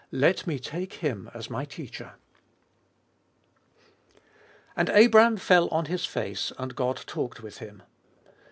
Let me take Him as my teacher. 2. " And Abram fell on his face : and God talked with him."